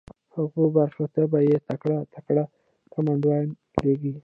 هغو برخو ته به یې تکړه تکړه کمانډویان لېږل